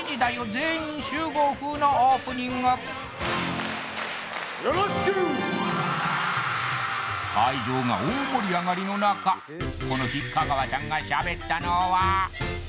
全員集合」風のオープニング会場が大盛り上がりの中この日香川さんは？